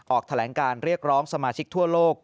ออกแถลงการเรียกร้องสมาชิกทั่วโลก